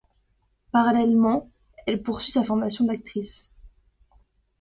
Parallèlement, elle poursuit sa formation d'actrice.